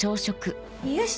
よし！